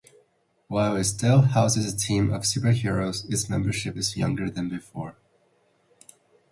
While it still houses a team of superheroes, its membership is younger than before.